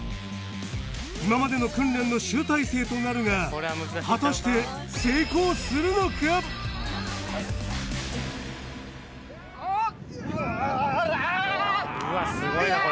今までの訓練の集大成となるが果たしてうおっああ！